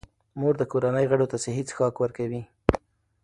مور د کورنۍ غړو ته صحي څښاک ورکوي.